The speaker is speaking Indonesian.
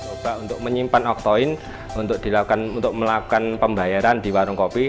coba untuk menyimpan octocoin untuk melakukan pembayaran di warung kopi